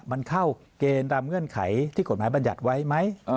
มันเข้าเกณฑ์ตามเงื่อนไขที่กฎหมายบรรยัติไว้ไหม